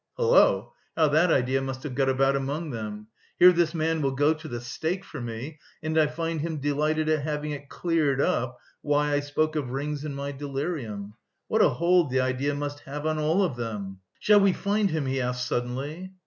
"Hullo! How that idea must have got about among them. Here this man will go to the stake for me, and I find him delighted at having it cleared up why I spoke of rings in my delirium! What a hold the idea must have on all of them!" "Shall we find him?" he asked suddenly.